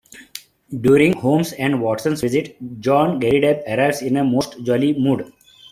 During Holmes's and Watson's visit, John Garrideb arrives in a most jolly mood.